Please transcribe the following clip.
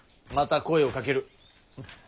また声をかける。